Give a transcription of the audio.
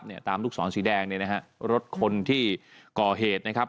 ตามลูกศรสีแดงเนี่ยนะฮะรถคนที่ก่อเหตุนะครับ